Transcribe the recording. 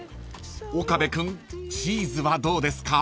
［岡部君チーズはどうですか？］